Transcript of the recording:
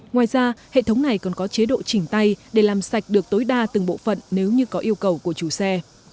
ngoài ra hệ thống này còn có chế độ chỉnh tay để làm sạch được tối đa từng bộ phận nếu như có yêu cầu của chủ xe